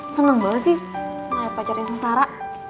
seneng banget sih pacarnya sengsara